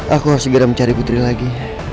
aku harus segera mencari putri lagi